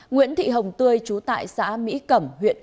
nguyễn thị hồng tươi chú tại xã mỹ cẩm huyện